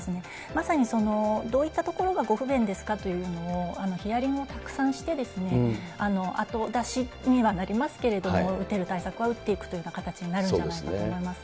まさにどういったところがご不便ですかというのを、ヒアリングをたくさんして、後出しにはなりますけれども、打てる対策は打っていくというような形になるんじゃないかと思います。